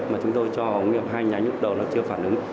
mà chúng tôi cho ống nghiệp hai nhánh lúc đầu nó chưa phản ứng